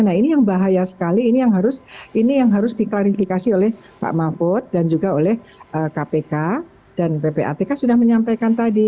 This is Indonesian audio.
nah ini yang bahaya sekali ini yang harus ini yang harus diklarifikasi oleh pak mahfud dan juga oleh kpk dan ppatk sudah menyampaikan tadi